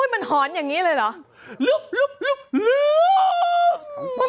มันหอนอย่างนี้เลยเหรอ